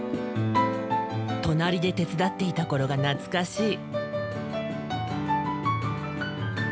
隣で手伝っていた頃が懐かしい。